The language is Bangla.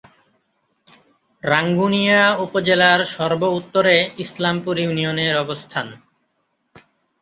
রাঙ্গুনিয়া উপজেলার সর্ব-উত্তরে ইসলামপুর ইউনিয়নের অবস্থান।